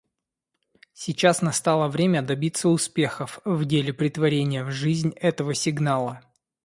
Сейчас настало время добиться успехов в деле претворения в жизнь этого сигнала.